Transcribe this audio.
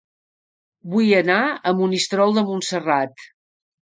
Vull anar a Monistrol de Montserrat